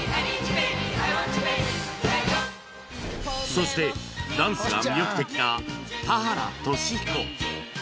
そしてダンスが魅力的な田原俊彦